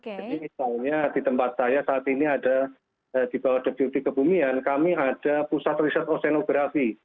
jadi misalnya di tempat saya saat ini ada di bawah wt kebumian kami ada pusat riset osenografi